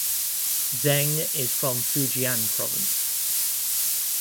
Zeng is from Fujian Province.